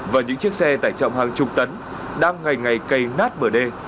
và những chiếc xe tải trọng hàng chục tấn đang ngày ngày cây nát bờ đê